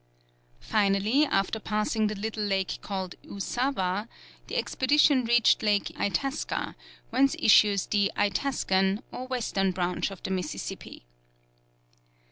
Finally, after passing the little lake called Usawa, the expedition reached Lake Itasca, whence issues the Itascan, or western branch of the Mississippi.